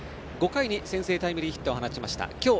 ５回に先制タイムリーヒットを放った今日